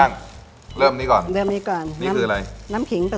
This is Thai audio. อันนี้เจ้าเจ้าค่ะ